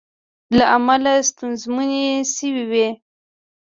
له امله ستونزمنې شوې وې